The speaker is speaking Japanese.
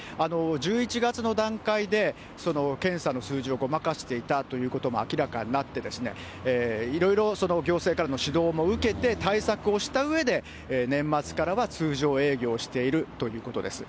１１月の段階で、検査の数字をごまかしていたということも明らかになってですね、いろいろ、行政からの指導も受けて、対策をしたうえで、年末からは通常営業しているということです。